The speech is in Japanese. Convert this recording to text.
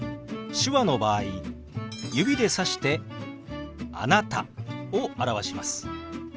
手話の場合指でさして「あなた」を表します。